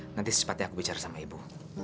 nanti secepatnya aku bicara sama ibu